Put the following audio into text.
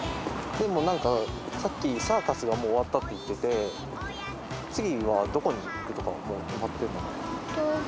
何かさっきサーカスがもう終わったって言ってて次はどこに行くとかはもう決まってるの？